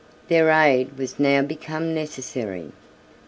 45 Their aid was now become necessary.